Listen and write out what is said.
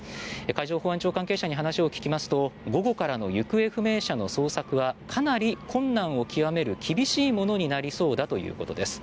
海上保安庁関係者に話を聞きますと午後からの行方不明者の捜索はかなり困難を極める厳しいものなりそうだということです。